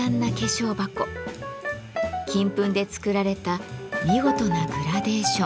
金粉で作られた見事なグラデーション。